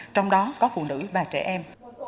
trong đó có phụ nữ và trẻ em